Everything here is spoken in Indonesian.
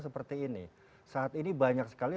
seperti ini saat ini banyak sekali